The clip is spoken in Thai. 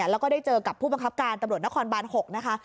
แล้วก็ได้เจอกับผู้บังคับการตำรวจนครบาน๖นะคะ